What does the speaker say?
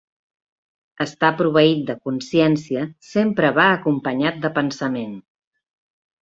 Estar proveït de consciència sempre va acompanyat de pensament.